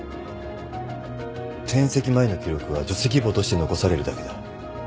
転籍前の記録は除籍簿として残されるだけだ。